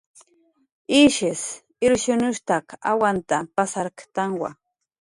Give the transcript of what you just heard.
Ishis irshunushstak awanta pasarktanwa